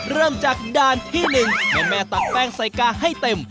เริ่มจากด่านที่๑ก็แม่ตักแป้งใส่กาให้เต็ม